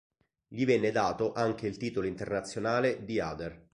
Gli venne dato anche il titolo internazionale "The Other".